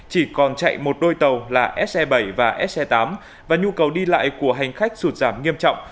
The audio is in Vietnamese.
chỉ còn chạy một đôi tàu là se bảy và se tám và nhu cầu đi lại của hành khách sụt giảm nghiêm trọng